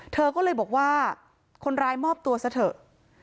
เธอก็เลยบอกว่าคนร้ายมอบตัวซะเถอะ